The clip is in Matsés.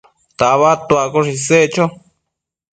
tabadtuaccoshe isec cho